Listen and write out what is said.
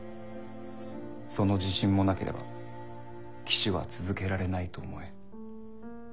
その自信もなければ騎手は続けられないと思え。